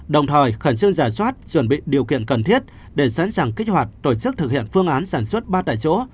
đồng thời khẩn trương giả soát chuẩn bị điều kiện cần thiết để sẵn sàng kích hoạt tổ chức thực hiện phương án sản xuất ba tại chỗ